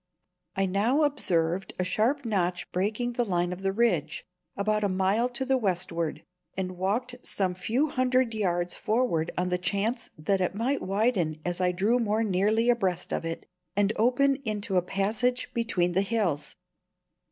I now observed a sharp notch breaking the line of the ridge, about a mile to the westward, and walked some few hundred yards forward on the chance that it might widen as I drew more nearly abreast of it, and open into a passage between the hills.